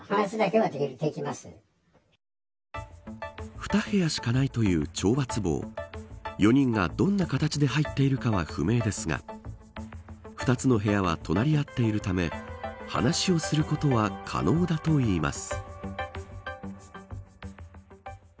２部屋しかないという懲罰房４人が、どんな形で入っているかは不明ですが２つの部屋は隣り合っているため話をすることは可能だといいます。